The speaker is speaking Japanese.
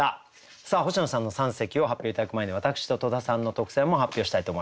さあ星野さんの三席を発表頂く前に私と戸田さんの特選も発表したいと思います。